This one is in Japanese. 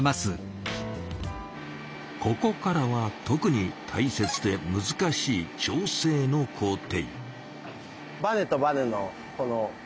ここからは特にたいせつでむずかしい「調整」の工程。